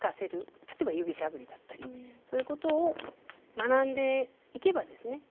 例えば指しゃぶりだったりそういうことを学んでいけばですね